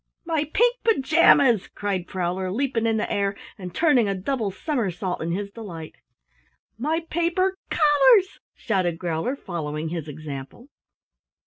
"My pink pajamas!" cried Prowler, leaping in the air and turning a double somersault in his delight. "My paper collars!" shouted Growler, following his example.